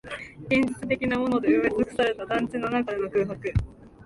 現実的なもので埋めつくされた団地の中での空白